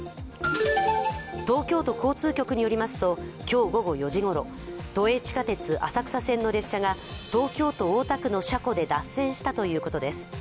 東京都交通局によりますと、今日午後４時ごろ、都営地下鉄浅草線の列車が東京都大田区の車庫で脱線したということです。